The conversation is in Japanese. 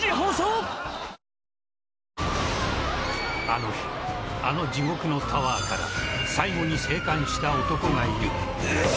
あの日、あの地獄のタワーから最後に生還した男がいる。